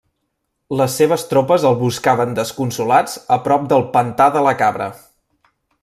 Les seves tropes el buscaven desconsolats a prop del pantà de la Cabra.